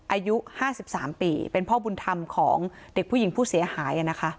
อายุห้าสิบสามปีเป็นพ่อบุญธรรมของเด็กผู้หญิงผู้เสียหายอ่ะนะคะ